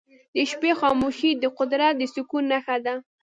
د شپې خاموشي د قدرت د سکون نښه ده.